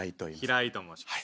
平井と申します。